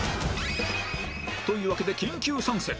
というわけで緊急参戦